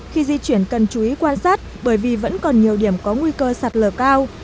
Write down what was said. khi di chuyển cần chú ý quan sát bởi vì vẫn còn nhiều điểm có nguy cơ sạt lở cao